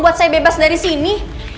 buat saya bebas dari sini